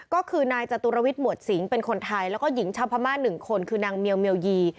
ก็คือนายจตุรวิทย์หมวดสิงเป็นคนไทยแล้วก็หญิงชาวพม่า๑คนคือนางเมียวเมียวยี